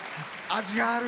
味がある